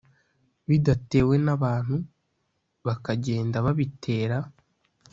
bidatewe n’abantu. bakagenda babitera